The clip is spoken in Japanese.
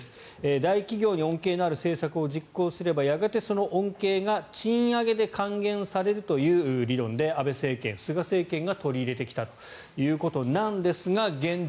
大企業に恩恵のある政策を実行すればやがてその恩恵が賃上げで還元されるという理論で安倍政権、菅政権が取り入れてきたということなんですが現状